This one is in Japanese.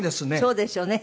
そうですよね。